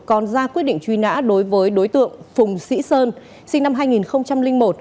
còn ra quyết định truy nã đối với đối tượng phùng sĩ sơn sinh năm hai nghìn một